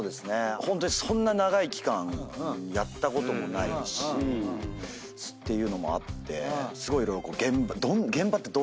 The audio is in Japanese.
ホントにそんな長い期間やったこともないしっていうのもあってすごい色々。